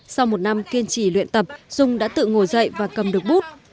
sau một năm kiên trì luyện tập dung đã tự ngồi dậy và cầm được bút